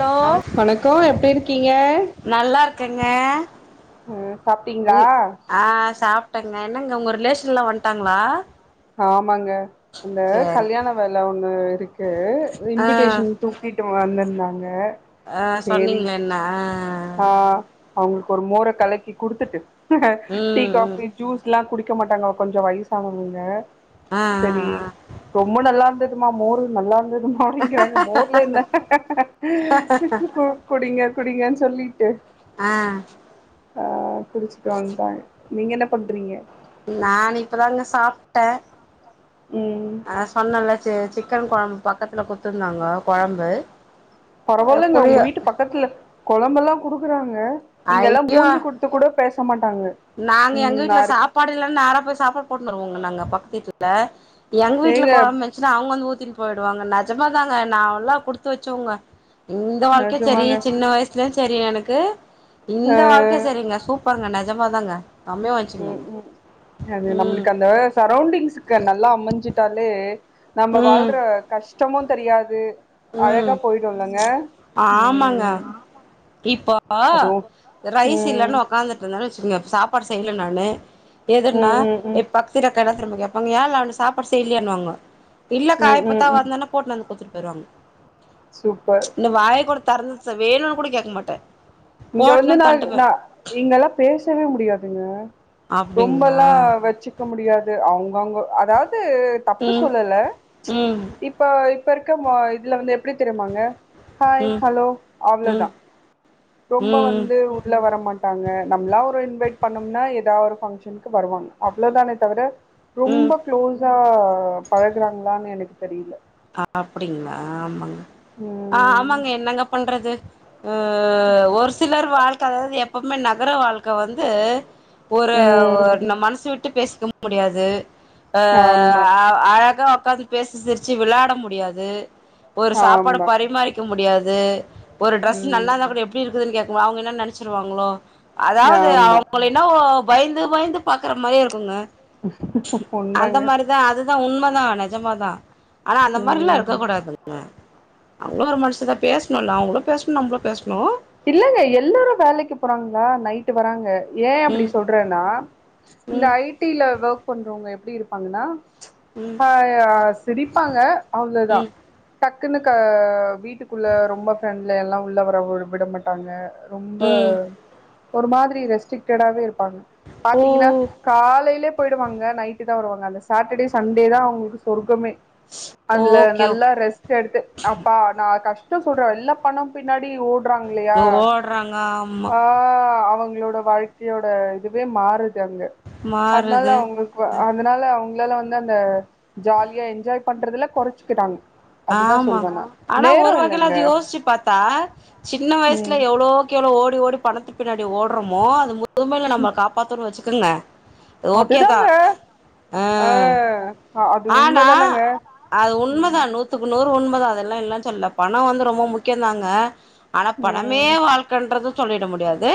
Hello வணக்கோ எப்டி இருக்கீங்க நல்லா இருக்கேங்க அ சாப்ட்டீங்களா ம் ஆஹ சாப்ட்டங்க என்னங்க உங்க ரிலேஷன் ல்லா வன்ட்டாங்களா ஆ மாங்க அந்த கல்யாண வேல ஒண்ணு இருக்கு ஆ இன்விடேஷன் தூக்கி இவுங்க வந்திருந்தாங்க அஹ் சேரி சொன்னீங்களா என்ன ஆ ஆஹ் அவங்களுக்கு ஒரு மோரை கலக்கி குடுத்துட்டு டீ ம் ம் காஃபி ஜூஸ் எல்லா குடி டிக்க மாட்டாங்க கொஞ்ச வயசானவதுங்க ஆ சரி ஆ ரொம்ப நல்லா ததுமா மோர் நல்லா டிங்கிறாங்க மோர்ல என்ன குடிங்க குடிங்கன்னு சொல்லிட்டு ஆஹ் ஆஹ் குளிச்சுட்டு வந்துடாங்க நீங்க என்ன பண்றீங்க நான் இப்பதானுங்க சாப்பிட்டேன் ம் அஹ் சொன்னல்லா ச ச சிக்கன் குழம்பு பக்கத்தில்ல கொடுத்துருந்தாங்க குழம்பு பரவாயில்லேங்க உங்க வீட்டு பக்கத்துல குழம்பெல்லாம் கொடுக்குறாங் க இங்கெல்லாம் மூஞ்சு ஐயோ கொடுத்து கூட பேச மாட் நாங்க எங்க வீட்டுல சாப்பாடு இல்லேன்ன நேரா போய் சாப்பாடு போட்டு வந்துருவோங்க நாங்க பக்கத்துவிட்ல எங்க வீட்டுல ஏங்க குழம்பு வச்சுனா அவங்க வந்து ஊத்தி தின் போயிடுவாங்க நெஜமா தாங்க நான் எல்லாம் கொடுத்து வச்சவங்க இந்த வாழ்க்கைய சரி நெஜமாங்க சின்ன வயசுலும் சரி எனக்கு ஆ இந்த வாழ்க்கை சரிங்க சூப்பருங்க நெஜமா தாங்க உம் உம் அது ம் நம்மளுக்கு அந்த சரௌண்டிங்ஸ் நல்லா அமைஞ்சிட்டாலே நம்ம வாழ்ற கஷ்ட கஷ்டமும் தெரியாது அழகா உம் போயிடுல்லங்க ஆமாங்க ம் இப்போ அதுவு ரைஸ் ம் இல்லேன்னு உக்காந்துட்டு இருந்தேனு வச்சுக்குங்க சாப்பாடு செய்யல நானு எதுன்னா ம் ம் இ ம் பக்திலே கடை கேப்பாங்க ஏலே அவ சாப்பாடு செய்யலையானுவாங்க இல்லேக்கா ம் ம் இப்பத்தா ம் வந்தேன்னா போட்டு வந்து கொடுத்துரு ரம் சூப்பர் தர்ந்துச்ச வேணும்ன்னனு கூட கேட்க மாட்டேன் இங்க வந்து ந ந நீங்கெல்லாம் பேசவே முடியாதுங்க ரொம்ப அப்டிங்களா எல்லாம் வச்சுக்க முடியாது அது அவங்கவுங்க அதாவது து தப்பு ம் சொல்லல ம்ச் ம் இப்ப இப்பருக்க ம இதுல வந்து எப்பிடி தெரியுமாங்க ஹாய் ம் ஹலோ ம் அவ்ளோதா ரொம்ப ம் வந்து உள்ளல வரமாட்டாங்க நம்மளா ஒரு இன்வைட் பண்ணும்னா ஏதாவது ஒரு பங்க்ஷனுக்கு வருவாங்க அவ்வளவுதானே தவிர ம் ம் ரொம்ப க்ளோஸா பழகுறாங்களான்னு எனக்கு தெரியில அ அப்படிங்களா ஆமாங்க ஆ ம் ஆமாங்க என்னங்க பண்றது ஆ ஒரு சிலர் வாழ்க்கை அதாவது எப்ப நம்ம நகர வாழ்க்கை வந்து ஒரு ம் மனசுவிட்டு பேச இருக்வு முடியாது ஆ ஆமா அழகா உக்காந்து பேசு சிரி ச்சு விளையாட முடியாது ஒரு சாப்பாடு ஆமா பரிமாறிக்க முடியாது து ஒரு டிரெஸ் நல்லா இருந்தா ம் கூட எப்பிடி இருக்குது கேக் உ அவங்க என்ன நெனச்சிருவாங்களோ அதாவது ஆமா அவங்கள என்னவோ பயந்து பயந்து பாக்குற மாரியே இருக்குங்க உண்மைங்க தா உண்மைதா நெஜமா தா ஆனா அந்த மாதிரல்லா இருக்க ம் கூடாது [unintelligible] அவங்களும் ஒரு மனுஷ தா பேசணுல அவங்களு பேசணு நம்மளு பேசணு இல்லங்க எல்லாரு வேலைக்கு போறாங்களா நைட்டு வராங்க ஏ அப்படி ம் சொல்றேன்னா இந்த ம் ஐ டி ல ஒர்க் பண்றவங்க எப் எப்பகடி இருப்பாங்கன்னா ம் அ சிரிப்பாங்க அவ்ளோதா ம் டக் டக்குனு க வீ ட்டுக்குள்ள ரொம்ப பிரெண்ட் இல்ல எல்லா உள்ள வர விட மாட்டாங்க ரொம்ப ம் ஒரு மாதிரி ரெஸ்டரிக்டாவே இருக்கு பா ஓ பாத்தீங்ன்னா காலையிலே போயிடுவாங்க நைட் ட்டு தா வருவாங்க அந்த சாட்டர்டே சண்டே தா அவங்களுக்கு சொர்க்கமே அதுல ஓகே நல்லா ஓகே ரெஸ்ட் எடுத்து அப்பா நா கஷ் இங்கு சொல்ற எல்லா பணம் பின்னாடி ஓ டுறாங்கிளையா ஓடுறாங்க ஆமா ஆஹ அவங் என்னொட வாழ்க்கையோட இதுவே மாறு து அங்க அதனால மாறுது அவங்களுக்கு அதனால அவங்க இல்லல்ல வந்து அந்த ஜாலியா என்ஜாய் பண்றதுல குறைச்சக்கிட்டாங்க ஆமா ஆனா ஒரு வகையில இல்லங்க. அது யோசிச்சு பாத்தா சின்ன வயசல ம் எவ்ளோவுக்கேவலோ ஓடி ஓடி பணத்து பின்னாடி ஓடுறோமோ அது மு முதுமையில நம்மள அது காப்பாத்தணு வச்சு துங்க அதுதாங்க ஆ ஆஹ் ஆனா அது உண்மதா ம் நூத்துக்கு நூறு உண்மதா அதெல்லா இல்லன்னு சொல்லல்ல பணோ வந்து ரொம்ப முக்கியோ தாங்க ஆனா பணமே ம் வாழ்க்கன்றது சொல்லிட முடியாது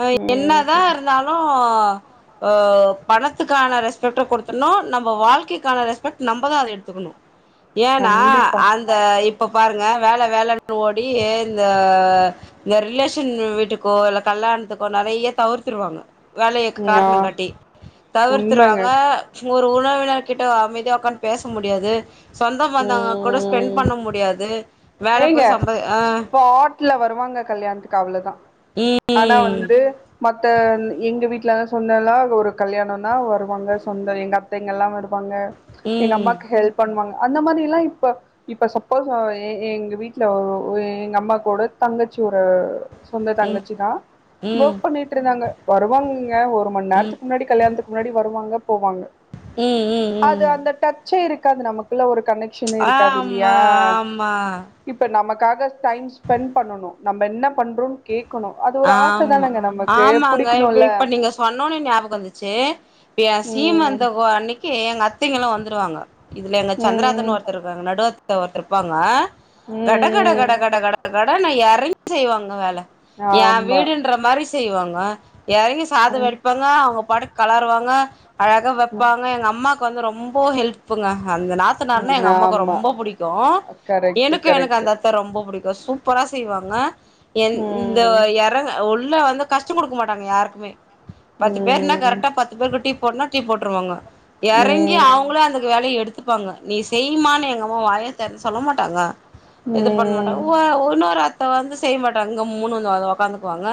ஆஹ் என்னதா ம் இருந்தாலு ஒ பணத்துக்கான ரெஸ்பெக்ட கொடுத்தர்னு நம்ம வாழ்க்கைக் கான ரெஸ்பெக்ட் நம்பதா அத எடுத்துக்கணு ஏன்னா கண்டிப்பா. அந்த இப்ப பாருங்க வேல வேலனு ஓ [unintelligible] எ இந்த இந்த ரிலேஷன் வீட்டுக்கோ இல்ல கல்யாணத்துக்கோ நறைய தவிர்த்துருவாங்க வேலையை ம் ஆ காரணோ காட்டி உண்மங்க. தவிர்த்துருவாங்க ஒரு உணவினர் கிட்ட அமைதியா உக்காந்து பேச முடியாது சொந்த பந்தங்க கூட ஸ்பெண்ட் ம் பண்ண முடியாது வேல ஏங்க போய் சம்பா ஆ ஸ்பாட்ல வருவாங்க கல்யாணத்துக்கு அவ்ளோதா ஆனா ம் வந்து மத்த எங்க வீட்டு ல்லாதா சொந்தல்லா ஒரு கல்யாணோன்னா வருவாங்க சொந்த எங்க அத்தைங்கெல்லா வருவாங் பாங்க ம் எங்க அம்மாக்கு ஹெல்ப் பண்ணுவாங்க அந்த மாதிரிலா இப்ப இப்ப சப்போஸ் ஆ ஏ எ எங்க வீட்ல ஒ ஒரே எங் அம்மா கோட தங்கச்சி ஒர சொந்த ம் தங்கச்சிதா ம் ஒர்க் பண்ணிட்டுருந்தாங்க வருவாங்கங்க ஒரு மண் ம் ம் நேரத்துக்கு முன்னாடி கல்யாணத்துக்கு முன்னாடி வருவாங்க போவாங்க ம் ம் அது ம் அந்த டச்சே இரு காந்து நமக்குள்ள ஒரு கனெக்சன்னே இருக்காது இல்லியா ஆமா ஆமா இப்ப நமக்காக டைம் ஸ்பெண் பண்ணணு நம்ப என்ன பண்றோன்னு கே ஆமா ஆமாங்க எ இப் புடிக்கணுல இப்ப நீங்க சொன்னோனு ஞாபகோ வந்துச்சே ஏ ம் சீமந்த வோ அன்னிக்கு எங்க அத்தை கெல்லா வந்துருவாங்க இதுல எங்க சந்திராதன்னு ம் ஒர்தர் இருக்காங்க நடுவத் த ஒர்தரிப்பாங்க கட கட ம் கட ம் கட கட கட டா நா இறங்கி செய்வாங்க வேல எ ஆமா வீடுன்ற மாரி செ ய்வாங்க எறங்கி சாதோ ம் வடிப்பாங்க அவுங்க பாட்டுக் கலருவாங்க அழக வெப்பாங்க எங்க அம்மா காந்து ரொம்ப ஹெல்ப்ங்க அந்த நாத்தனார்னா ம் எங்க அம்மாக்கு ஆமா ரொம்ப புடிக்கோ கரெக்ட்டு எனக்கு எனக்கு கரெக்ட்டு அந்த அத்த ரொம்ப புடிக்கும் தோ சூப்பரா செய்வாங்க என் உம் த ம் வு இறங்க உள்ள வந்த கஷ்ட கொடுக்க மாட்டாங்க யாருக்குமே பத்து பேர்னா ம் கரெக்டா பத்து பேருக்கு டீ போட்னா டீ போட்டுருவாங்க இறங்கி ம் ம் அவுங்களும் அந்த வேலையை எடுத்து பாங்க நீ செய்மான்னு எங்க அம்மா வாயத்தெரந்து சொல்ல மாட்டாங்க இது பண்ண மாட்டாங் ஒ ஆ ஒன்னோரு அத் த வந்து செய்ய மாட்டா கம்முனு யுஅத உக்காந்துக்குவாங்க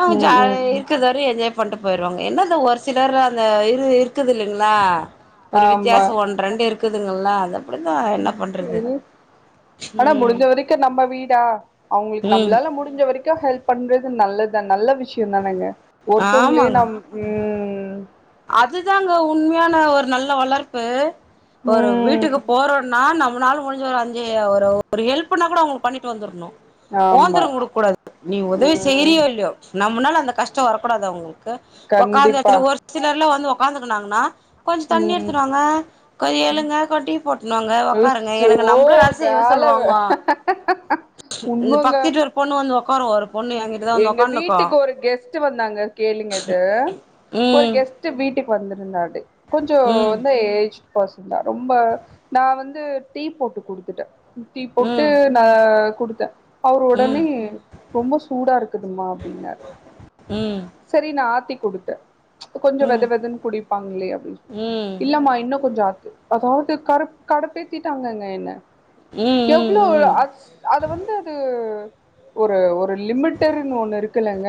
அவங்க ம் ஜாலி ம் இருக்குது வரை என்ஜாய் பண்டும் போயிருவாங்க என்னந்த ஒரு சிலர் அந்த இரு இருக்குது இல்லங்களா ஒரு வித்தியாசம் ஒன் ரெண்டு இருக்குதுங்கல்ல அது அப்படிதா என்ன பண்றது உம் ஆனா ம் முடிஞ்ச வரைக்கும் நம்ம வீடா அவங்களுக்கு ம் நம்ளால முடிஞ்ச வரைக்கும் ஹெல்ப் பண்றது து நல்லதான் நல்ல விஷயம் தானங்க ஒருத்தவ்ங்களையும் ஆமாங்க நம் உம் அதுதாங்க உண்மையான ஒரு நல்ல வளர்ப்பு ஒரு வீட்டுக்கு ம் போறோன்னா நம் நம்மனால முடிஞ்ச ஒரு அஞ்சு ஒரே ஒரு ஹெல்ப்ன்னா கூட அவங்களுக்கு பண்ணிட்டு வந்துடணும் ஆமா ஊத்திரம் குடுக்க கூடாது நீ உதவி ம் செய்ரியோ இல்லயோ நம்மளால அந்த கஷ்டம் வரக்கூடாது அவங்களுக் க்கு உக்காந்த கண்டிப்பா எடத்துல ஓசி எல்லா வந்து உக்காந்துக்கனாங்கன்னா கொஞ்ச தண்ணி ம் எடுத்துடுவாங்க கொஞ்ச எழுங்க கொஞ்ச டீ போட்டுவாங்க உக்காருங்க உஸ் எங்க ஓ நம்மளும் வேல செய்வே சொல்லுவாங்க இந்த உண்மங்க பக்கட்டு ஒரு பொண்ணு வந்து உக்காரு ஒரு பொண்ணு என்கிட்டதா வந்து எங்க உக்காந்துக்கு வீட்டுக்கு ஒரு கெஸ்ட் வந்தாங்க கேளுங்கது ஒரு ம் கெஸ்ட் கெஸ்ட் வீட்டுக்கு வந்திருந்தாங்க கொஞ்சோ ம் வந்த ஏஜ் பர்சன் தான் ரொம்ப நான் வந்து டீ போட்டு குடுத்துட்டேன் டீ போட்டு ம் நா ஆ குடுத்த அவர் ம் உடனே ரொம்ப சு சூடா இருக்குதுமா அப்டின்னாரு ம் செரி நா ஆத்தி குடுத்த கொஞ்சோ ம் வெத வெதன்னு குடிப்பாங்களே அப்டின் ம் இல்லமா இன்னும் கொஞ்சோ ஆத்து அதாவது கடு கடுப்பேத்திட்டாங்க என்ன ம் ம் எவ்ளோஒரு ம் அத வந்து அது ஒரு ஒரு லிமிட்டர்ன்னு ஒண்ணு இருக்குல்லங்க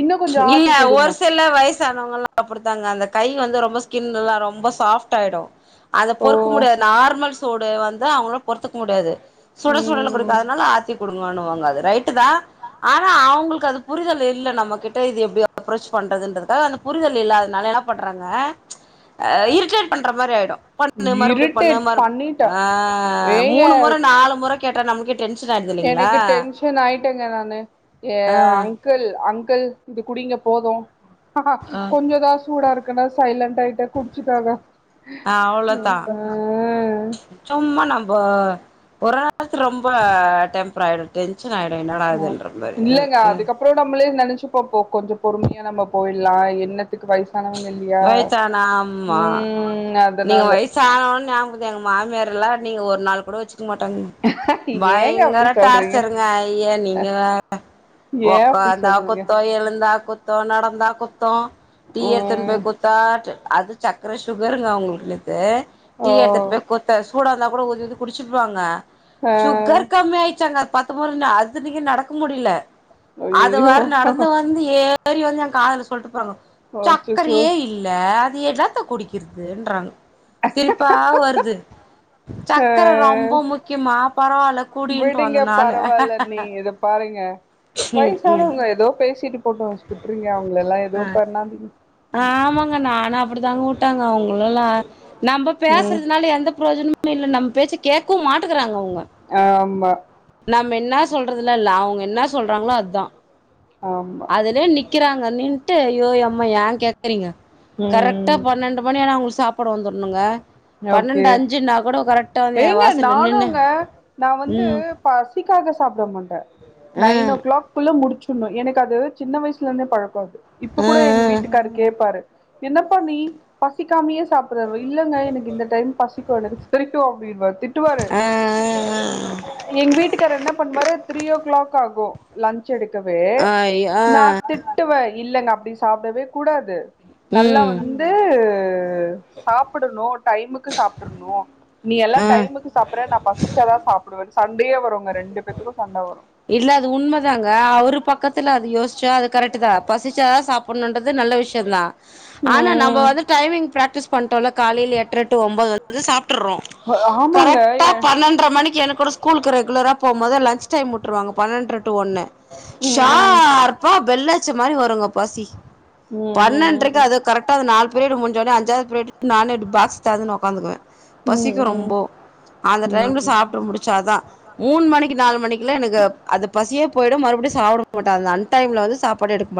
இன்னு கொஞ்சோ இல்ல ஆத்தி ஒரு குடுமா சில வயசானவங்கல்லாம் அப்படுத்தாங்க அந்த கை வந்து ரொம்ப ஸ்கின் எல்லா ரொம்ப சாஃப்ட ஆயிடும் அத ஓ பொறுக்க முடியாது நார்மல் சூடு வந்து அவங்கள பொறுத்துக்க முடியாது சுடசுடன்னு ம் குடுக்கறதனால ஆத்தி குடுங்கானுவா அது ரைட்டு தான் ஆனா அவங்களுக்கு அது புரிதல் இல்லேநம்ம கிட்ட ட்ட இது எப்படி அப்ரோச் பண்றதுன்றதுக்காக அந்த புரிதல் இல்லாதனால என்ன பண்றாங்க இரிட்டேட் பண்ற மாதிரி ஆயிடும் பண்ணு மறுபடி பண்ணு இரிட்டேட் மறு பண்ணிட்ட ஏங்க ஆமூணு முறை நாலு முறை கேட்டா நமக் எனக்கு டென்ஷன் ஆயி ங்க நானு ஏ ஆ அங்கிள் அங் அங்கிள் இது குடிங்க போதும் ஆஹ ஆ கொஞ்சம்தான் சூடா இருக்கு இந்த மாதிரி சைலன்ட் லைட்டா குடிச்சாகாக ஹூ அவ்ளோதா ஹா ப்ப ஒரளவுக்கு ரொம்ப டெம்பர் ஆயிட்டு ஆஹ இல்லைங்க அதுக்கப்புறம் நம்மளே நினைச்ச பாப்போம் கொஞ்சம் பொறுமையா நம்ம போயிடலாம் என்ன இதுக்கு வயசானவங்க இல்லையா வயசானா ஆமா உம் நீங்க வயசு ஆனவன் எங்க மாமியாரெல்லாம் நீங்க ஒரு நாள் கூட வச்சு மாட்டங்களா ஏங்க பயங்கர அப்டி சொல்றீங்க டார்ச்சருங்க ஐய நீங்க வேற ஏ அப்டி உக்காந்தா சொல்றீங்க குத்தோ எழுந்தா குத்த தோ நடந்தா குத்தோம் டீ ம் எடுத்துன்போய் குடுத்தா அது சக்கர சுகர் அவங்களுக்கு ஏ ஓ டீஎடுத்து போய் கொடுத்தாச்சு சூடா இருந்தா கூட ஊத்தி வந்து குடிச்சிட்டுவாங்க ஆ சுகர் கம்மி ஆயிச்சா பத்து முறை அது இன்னைக்கி நடக்க முடியல அது ஐயையோ வாறு நடந்து வந்து ஏன் சரி வந்து என் காதுல சொல்லிட்டு போங்க அச்சச்சோ சக்கரையே இல்லே நீ என்னாத்த குடிக்கிறு துன்றாங் சிரிப்பா வர் து ஆ சக்கர ரொம்ப முக்கிய்மா பரவால்ல குடின்ட்டு விடுங்க வந்த நானு ம் ம் வைஸானவங்க ஏதோ பேசிட்டு போட்டு விட்ருங்க அவ்ங்களல்லா ஏதுவு ஆ பண்ணாதீங்க ஆமாங்க நானு அப்டிதாங்க உட் டங்க அவ்ங்களல்லா நம்ம ம் பேசுறத்னால எந்த ப்ரோஜனம் மே இல்ல நம் பேச்ச கேக்கவு மாட்டுக்குறாங்கொ ஆம்மா நாம என்ன சொல்றதுலா இல்ல அவ்ங்க என்ன சொல்றாங்களோ அத்தா ஆமா அதுலே நிக் க்கிறாங்க நின்ட்டு அய்யோ யம்மா ஏ கேகறீங்க கரெக்ட்டா ம் பன்னண்டு மணியான அவுங்ளுக் சாப்பாடு வந்துர்ணுங்க ஓகே வந்து என் ஏங்க வாசல்ல நின்னு நானுங்க நா வந்து ம் பசிக்காக சாப்பட மாட்ட ஆ நைன் ஓ கிளாக் குள்ள முடிச்சு சுன்னு எனக்கு அது சின்ன வயசுல இருந்தே பழக் கோ அது இப்ப ஆ கூட எங்க வீட்டுக்காரு கேப்பாரு என்னப்பா நீ பசிக்காமயே சாப் பிறவு இல்லங்க எனக் தென் பசிக்கு எனக்கு [unintelligible] அப்டின்னுவாரு திட்டுவாரு ஆ ஆ எங் வீட்டுக்காரு என்ன பண்வாரு த்ரீ ஓ கிளாக் ஆகு லன் ச் எடுக்கவே ஆ ஆ ஆ நா ஆ திட்டுவே இல்லங்க அப்டி சாப்டவே கூடாது நல்லா ம் வந்து து சாப்புடுனு டைமுக்கு சாப்ட்டுணும் சாப்ட்ருனு நீயெல்லா ஆ டைமுக்கு சாப்புர்ற நா பசிச்சாதா சாப் கு சண்டையே வருங்க ரெண்டு பேத்துக்கு சண்ட வரு இல்ல அது உண்மதாங்க அவரு பக்கத்துல அது யோசிச்சா அது கரெக்ட தா பசிச்சாதா சாப்பிட்ணுன்றது நல்ல விஷயொ தா ஆனா நம்ப ம் வந்து டைமிங் பிராக்டிஸ் பண்டோல காலையில எட்ர டு ஒன்பது வந்து சாப் ட்றோ ஆமாங்க கரெக்டா எ பன்னெண்டர மணிக்கு எனக்கொரு ஸ்கூலுக்கு ரெகுலரா போம் போது லஞ்ச் டைம் ட்ருவாங்க பன்னெண்டு டு ஒன்னு ம் ம் ம் ஷார்ப்பா பெல்ல ச்ச மாரி வருங்க பசி பன்னென்றக்கு ம் அது கரெக்ட அது நாலு பீரியட் மூடிஞ்சொனே அஞ்சாவது பீரியட் நான் எட்டு பாக்ஸ் தெரந்துனு ஒக்காந்துக்குவே ம் ம் பசிக்கு ரொம்பொ அந்த ம் ம் டைம்ல சாப்ட்டு முடிச்சாதா மூணு மணிக்கு நாலு மணி எனக்கு அது பசியே போ ய்டு மறுபடியு சாப்பிட மாட்டா அந்த அன் டைம்ல வந்து சாப்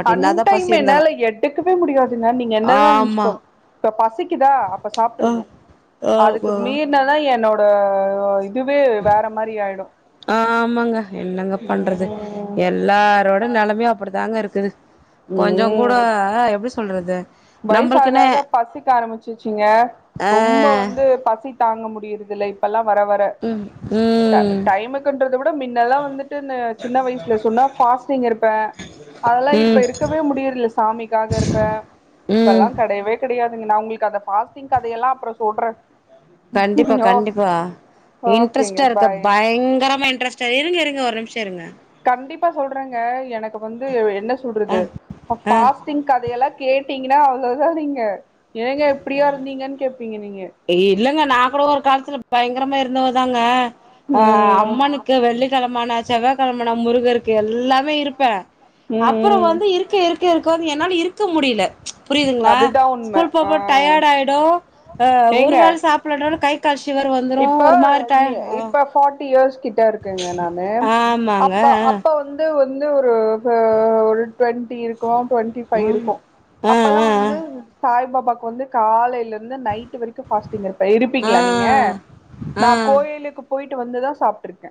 அன் டைம் என்னால எடுக்கவே முடியாதுங்க நீங்க என்னதா ஆமா நனச்சுக்கோங் இப்ப பசிக்குதா அப்ப சாப்ட்றணு அதுக்கு மீறுதா என்னோ ட இ இதுவே வேற மாரி ஆயிடு மங்க என்னங்க பண்றது ம் எல்லாரோட நெலமயு அப்டித்தாங்க இருக் க்குது கொஞ்சொ கூடா எப்டி சொல்றது வய்சு ஆக நம்பளுக்குன்னு ஆக பசிக்க ஆரம்பிச்சுச்சுங்க ரொம்பொ ஆ வந்து பசி தாங்க முடியுறதுல இப்பெல்லா வர வர ம் ட ம் டைமுக்குன்றத விட மின்னல்லா வந்துட்டுன்னு சின்ன வயசுல சொன்னா ஃபாஸ்டிங் இருப்பே அதெல்லா இப்ப ம் இருக்கவே முடியறுல்ல சாமிக்காக இருப்பே இப்பெல்லா ம் கெடையவே கெட யாதுங்க நா உங்களுக்கு அத ஃபாஸ்டிங் கதையெல்லா அப்புறொ சொல்றே கண்டிப்பா ஓ கண்டிப்பா ஓகேங்க இன்ட்ரெஸ்ட்டா இருக்க பாய் பயங்கரமா இன்ட்ரெஸ்ட்டா இருங்க இருங்க ஒரு நிமிஷ் ஷருங்க கண்டிப்பா சொல்றேங்க எனக்கு வந்து என்ன ஆ சொல்றது ஃப ஆ ஃபாஸ்டிங் கதையெல்லா கேட்டீங்கன்னா அவ்வளோதா நீங்க ஏங்க இப்டியா இருந்தீங்கன்னு கேப்பீங்க நீங்க இல்லங்க நா கூட ஒரு காலத்துல பயங்கரமா இருந்தவ தாங்க ஆஹ் ம் அம்மனுக்கு வெள்ளிக்கிழமானா செவ கிழமன முருகருக்கு எல்லாமே இருப்பே அப்புறோ ம் ம் வந்து இருக்க இருக்க இருக் க என்னால இருக்க முடியல புரியுதுங்களா அதுதான் உண்ம ஸ்கூல் ஆ போப்ப டயர்ட் ஆய்டு அ ஒருவாரம் சாப்டலனா [unintelligible] கை கால் ஷிவர் வந்துரு இப்போ ஒரு மாரி டய ஆ இப்ப ஃபார்ட்டி இயர்ஸ் கிட்ட இருக்கங்க நானு ஆமாங்க அப்ப ஆ அப்ப வந்து ஒ வந்து ஒரு ஒரு ஒரு ட்வெண்டி இருக்கு ட்வெண்டி ஃபைவ் ம் இருக்கு ஆ அப்பல்லா ஆ ஆ வந்து சாய் பாபா கு வந்து காலையில ந்து நைட் வரைக்கு ஃபாஸ்டிங் இருப்பே ஆ இருப்பீங்களா நீங்க நா ஆ கோயிலுக்கு போயிட்டு வந்துதா சாப்ட்ருக்கே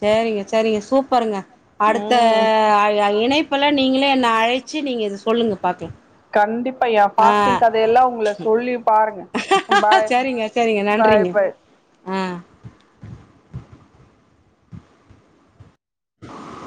சேரிங்க சேரிங்க சூப்பருங்க அடுத்த ம் அ இணைப்புல நீங்க என்ன அழைச்சு நீங்க இது சொல்லுங்க பாக்லாம் கண்டிப்பா எ ஃபாஸ்டிங் கதையெல்லா உங்க சொல்லி பாருங்க பாய் சேரிங்க சேரிங்க பாய் நன்றிங்க பாய் ஆ [inaudible]